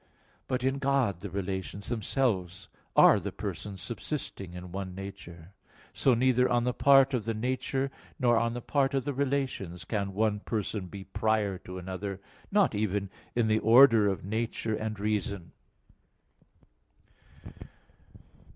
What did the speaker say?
But in God the relations themselves are the persons subsisting in one nature. So, neither on the part of the nature, nor on the part the relations, can one person be prior to another, not even in the order of nature and reason.